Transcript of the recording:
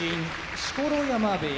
錣山部屋